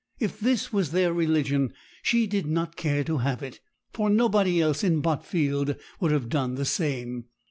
If this was their religion, she did not care to have it; for nobody else in Botfield would have done the same.